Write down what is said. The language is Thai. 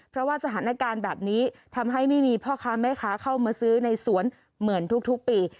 เพราะว่าสถานการณ์แบบนี้ทำให้ไม่มีพ่อค้าแม่ค้าเข้ามาซื้อในสวนเหมือนทุกปี